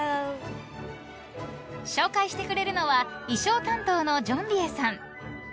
［紹介してくれるのは衣装担当のジョンビエさん］